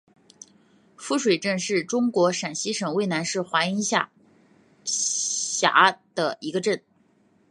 夫水镇是中国陕西省渭南市华阴市下辖的一个镇。